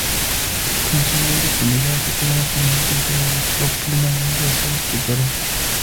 Consiguió independizarse económicamente y se dedicó plenamente a ser escritora.